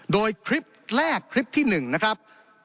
โดยคลิปแรกคลิปที่๑นะครับ